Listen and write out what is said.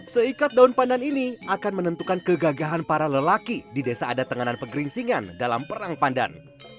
seikat daun pandan ini akan menentukan kegagahan para lelaki di desa ada tenganan pegeringsingan dalam perang pandan